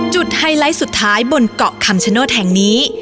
ไฮไลท์สุดท้ายบนเกาะคำชโนธแห่งนี้